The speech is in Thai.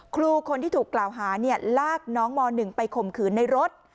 ครูคนที่ถูกกล่าวหาลากน้องม๑ไปข่มขืนในรถ